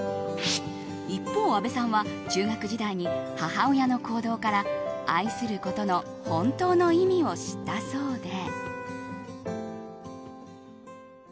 一方、阿部さんは中学時代に母親の行動から愛することの本当の意味を知ったそうで。